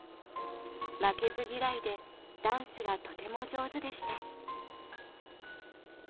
負けず嫌いでダンスがとても上手でした。